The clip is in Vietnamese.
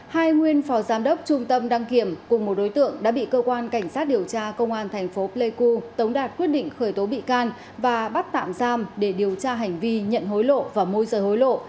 hai nguyên phò giám đốc trung tâm đăng kiểm cùng một đối tượng đã bị cơ quan cảnh sát điều tra công an thành phố pleiku tống đạt quyết định khởi tố bị can và bắt tạm giam để điều tra hành vi nhận hối lộ và môi rời hối lộ